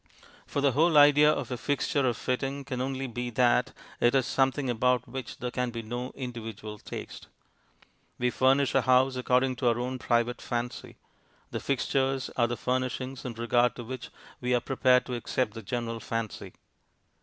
For the whole idea of a fixture or fitting can only be that it is something about which there can be no individual taste. We furnish a house according to our own private fancy; the "fixtures" are the furnishings in regard to which we are prepared to accept the general fancy.